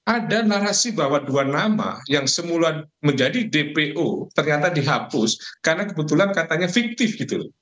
ada narasi bahwa dua nama yang semula menjadi dpo ternyata dihapus karena kebetulan katanya fiktif gitu loh